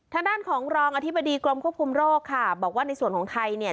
ทางด้านของรองอธิบดีกรมควบคุมโรคค่ะบอกว่าในส่วนของไทยเนี่ย